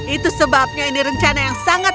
itu sebabnya ini rencana yang sangat